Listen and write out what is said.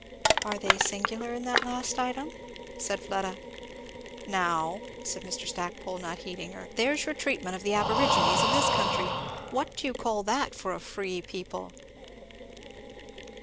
"Are they singular in that last item?" said Fleda. "Now," said Mr. Stackpole, not heeding her, "there's your treatment of the aborigines of this country what do you call that, for a free people?"